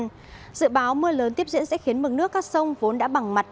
dự báo mưa lớn tiếp diễn sẽ khiến mực nước các sông vốn đã bằng mặt